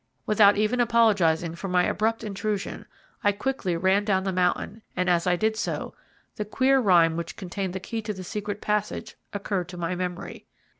Without even apologizing for my abrupt intrusion, I quickly ran down the mountain, and as I did so, the queer rhyme which contained the key to the secret passage occurred to my memory.